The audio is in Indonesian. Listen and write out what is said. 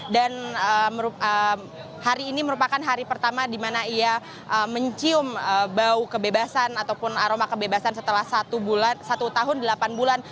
dan hari ini merupakan hari pertama di mana ia mencium bau kebebasan ataupun aroma kebebasan setelah satu tahun delapan bulan